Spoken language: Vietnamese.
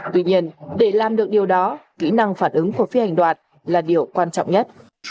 tuy nhiên để làm được điều đó kỹ năng phản ứng của phi hành đoạt là điều quan trọng nhất